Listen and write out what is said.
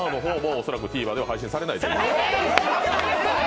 恐らくＴＶｅｒで配信されない。